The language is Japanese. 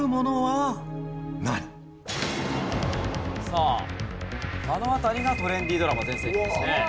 さああの辺りがトレンディードラマ全盛期ですね。